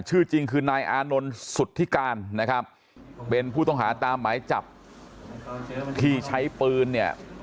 ชื่อจริงคือนายอานนท์สุธิการนะครับเป็นผู้ต้องหาตามหมายจับที่ใช้ปืนเนี่ย